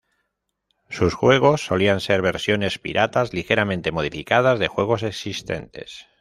Sus juegos solían ser versiones piratas ligeramente modificadas de juegos existentes.